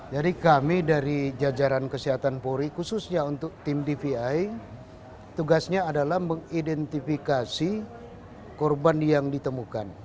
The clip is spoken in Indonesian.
jadi kami dari jajaran kesehatan polri khususnya untuk tim dvi tugasnya adalah mengidentifikasi korban yang ditemukan